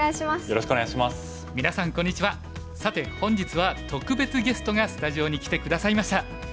さて本日は特別ゲストがスタジオに来て下さいました。